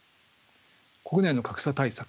国内の格差対策